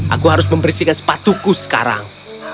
aku harus membersihkan sepatuku sekarang